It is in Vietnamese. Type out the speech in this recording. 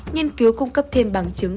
nghiên cứu cung cấp thêm bằng chứng